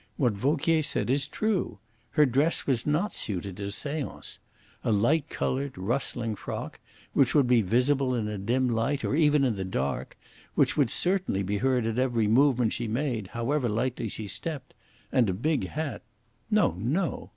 What Vauquier said is true. Her dress was not suited to a seance. A light coloured, rustling frock, which would be visible in a dim light, or even in the dark, which would certainly be heard at every movement she made, however lightly she stepped, and a big hat no no!